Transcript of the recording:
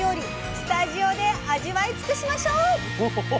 スタジオで味わい尽くしましょう！